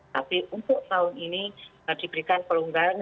tapi untuk tahun ini diberikan pelonggaran